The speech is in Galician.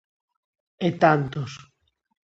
E tantos.